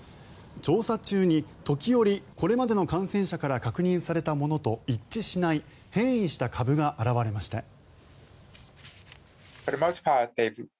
調査中に時折これまでの感染者から確認されたものと一致しない変異した株が現れました。